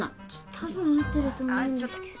多分あってると思うんですけど。